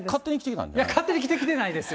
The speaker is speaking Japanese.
勝手に着てきてないですよ。